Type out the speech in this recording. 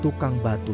kurang lebihnya itu